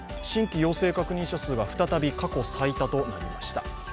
新規陽性確認者が再び過去最多となりました。